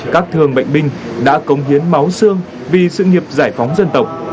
các thương bệnh binh đã công hiến máu sương vì sự nghiệp giải phóng dân tộc